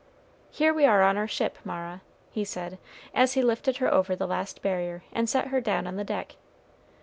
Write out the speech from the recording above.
Here we are on our ship, Mara," he said, as he lifted her over the last barrier and set her down on the deck.